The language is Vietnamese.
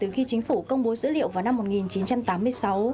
từ khi chính phủ công bố dữ liệu vào năm một nghìn chín trăm tám mươi sáu